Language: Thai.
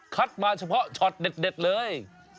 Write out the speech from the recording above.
มาเฉพาะช็อตเด็ดเลย